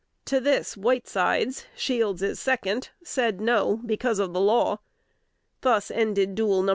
To this Whitesides, Shields's second, said "no," because of the law. Thus ended duel No.